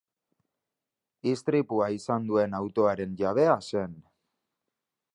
Istripua izan duen autoaren jabea zen.